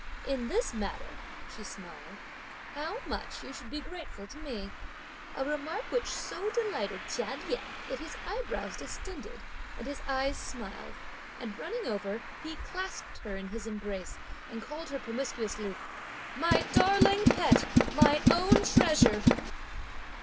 "In this matter," she smiled, "how much you should be grateful to me!" A remark which so delighted Chia Lien that his eyebrows distended, and his eyes smiled, and running over, he clasped her in his embrace, and called her promiscuously: "My darling, my pet, my own treasure!"